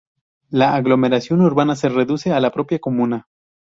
La aglomeración urbana se reduce a la propia comuna.